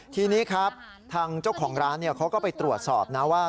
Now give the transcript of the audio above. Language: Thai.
ทีนี้ครับทางเจ้าของร้านเขาก็ไปตรวจสอบนะว่า